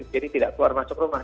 jadi tidak keluar masuk rumah